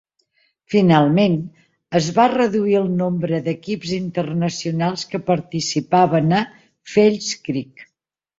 Finalment, es va reduir el nombre d'equips internacionals que participaven a False Creek.